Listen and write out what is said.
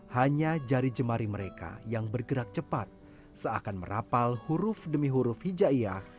hanya jari jemari mereka yang bergerak cepat seakan merapal huruf demi huruf hijaiyah